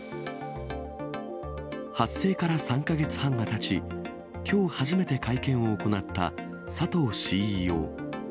発生から３か月半がたち、きょう初めて会見を行った佐藤ＣＥＯ。